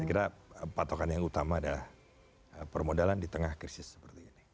saya kira patokan yang utama adalah permodalan di tengah krisis seperti ini